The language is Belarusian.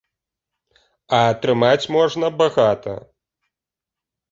А атрымаць можна багата.